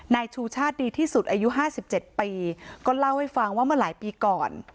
ในชูชาติดีที่สุดอายุห้าสิบเจ็ดปีก็เล่าให้ฟังว่ามาหลายปีก่อน